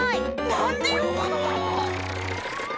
なんでよぶの！